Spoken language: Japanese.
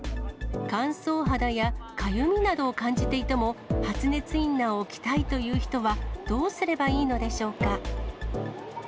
乾燥肌やかゆみなどを感じていても、発熱インナーを着たいという人は、どうすればいいのでしょうか。